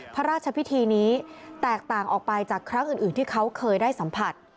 พระราชพิธีนี้แตกต่างออกไปจากครั้งอื่นที่เขาเคยได้สัมผัส